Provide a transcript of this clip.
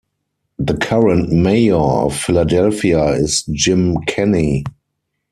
The current Mayor of Philadelphia is Jim Kenney.